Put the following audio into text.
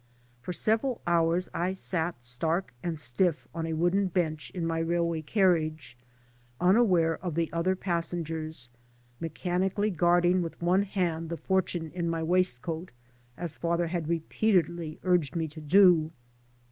For several hours I sat stark and stiff on a wooden bench in my railway carriage, unaware of the other passengers, mechanically guarding with one hand the fortune in my waistcoat, as father had repeatedly urged me to do.